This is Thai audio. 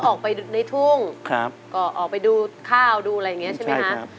ออกไปในทุ่งก็ออกไปดูข้าวดูอะไรอย่างนี้ใช่ไหมคะ